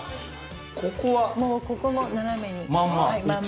もうここも斜めにまんま？